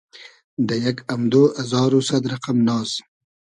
دۂ یئگ امدۉ ازار و سئد رئقئم ناز